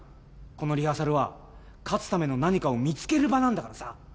このリハーサルは勝つための何かを見つける場なんだからさ。